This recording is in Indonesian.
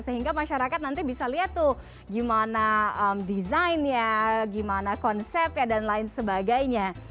sehingga masyarakat nanti bisa lihat tuh gimana desainnya gimana konsepnya dan lain sebagainya